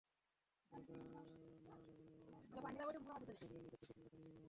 ফলে তারা মারা যাবেন এবং আল্লাহর আদেশে আরশ ইসরাফীলের নিকট থেকে শিঙ্গাটা নিয়ে নেবেন।